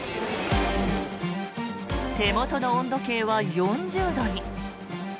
手元の温度計は４０度に。